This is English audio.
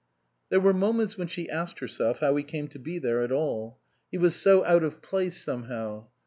There were moments when she asked herself how he came to be there at all ; he was so out of place somehow.